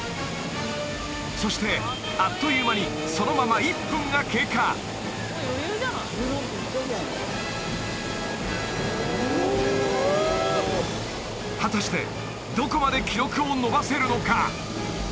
そしてあっという間にそのまま１分が経過果たしてどこまで記録を伸ばせるのか？